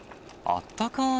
あったかー